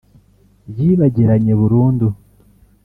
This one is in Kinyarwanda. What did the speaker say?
yibagiranye burundu